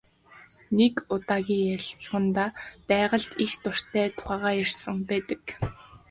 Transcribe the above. Нэг удаагийн ярилцлагадаа байгальд их дуртай тухайгаа ярьсан байдаг.